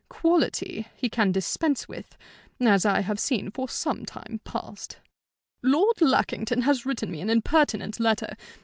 Quality he can dispense with as I have seen for some time past. "Lord Lackington has written me an impertinent letter.